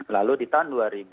lalu di tahun dua ribu enam belas